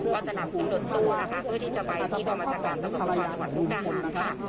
ว่าจะนำขึ้นหลดตู้นะคะเพื่อที่จะไปที่กรมจังหวัดภูมิอาหารจังหวัดภูมิอาหารนะคะ